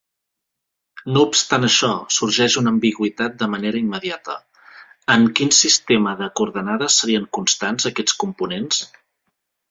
No obstant això, sorgeix una ambigüitat de manera immediata: en quin sistema de coordenades serien constants aquests components?